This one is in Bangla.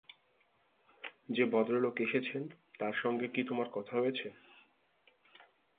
যে-ভদ্রলোক এসেছেন, তাঁর সঙ্গে কি তোমার কথা হয়েছে?